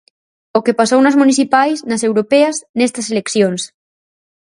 O que pasou nas municipais, nas europeas, nestas eleccións.